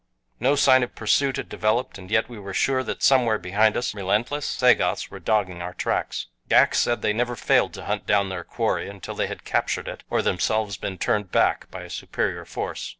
No sign of pursuit had developed, and yet we were sure that somewhere behind us relentless Sagoths were dogging our tracks. Ghak said they never failed to hunt down their quarry until they had captured it or themselves been turned back by a superior force.